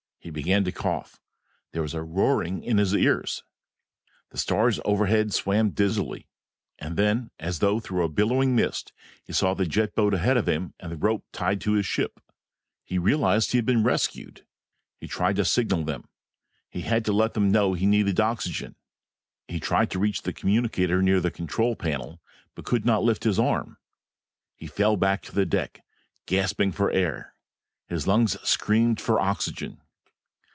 He began to cough. There was a roaring in his ears. The stars overhead swam dizzily. And then, as though through a billowing mist, he saw the jet boat ahead of him and the rope tied to his ship. He realized he had been rescued. He tried to signal them. He had to let them know he needed oxygen. He tried to reach the communicator near the control panel but could not lift his arm. He fell back to the deck gasping for air; his lungs screaming for oxygen.